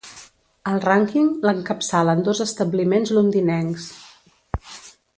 El rànquing l’encapçalen dos establiments londinencs.